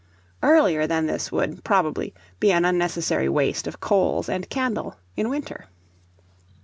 Earlier than this would, probably, be an unnecessary waste of coals and candle in winter.